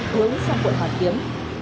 hướng sang quận hoàn kiếm